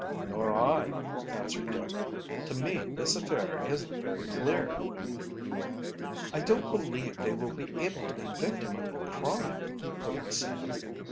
"Nor I," answered Dick. "To me this affair isn't very clear." "I don't believe they will be able to convict him of the crime," put in Sam.